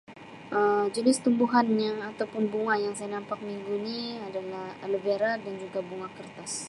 Um Jenis tumbuhan yang atau pun bunga yang sama nampak minggu ini adalah aloe vera dan juga bunga kertas.